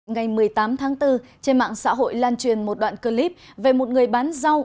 ngày một mươi tám tháng bốn trên mạng xã hội lan truyền một đoạn clip về một người bán rau